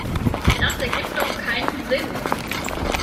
Das ergibt doch keinen Sinn.